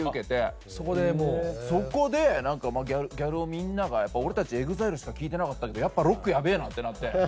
みんなが「俺たちＥＸＩＬＥしか聴いてなかったけどやっぱロックやべえな」ってなって。